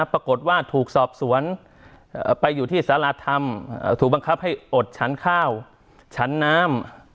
ปรากฏว่าถูกสอบสวนไปอยู่ที่สารธรรมถูกบังคับให้อดฉันข้าวฉันน้ำ